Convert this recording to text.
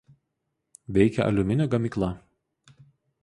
Veikia aliuminio gamykla.